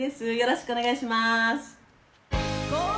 よろしくお願いします。